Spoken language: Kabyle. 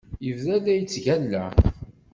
Yebda la yettgalla.